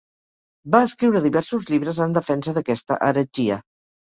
Va escriure diversos llibres en defensa d'aquesta heretgia.